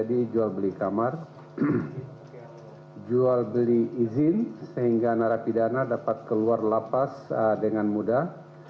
di lapas sukamiskin terjadi jual beli kamar jual beli izin sehingga narapidana dapat keluar lapas dengan mudah